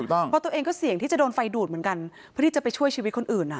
เพราะตัวเองก็เสี่ยงที่จะโดนไฟดูดเหมือนกันเพื่อที่จะไปช่วยชีวิตคนอื่นอ่ะ